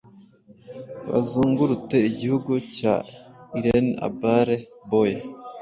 Bazungurute igihugu cya irenAbaare boe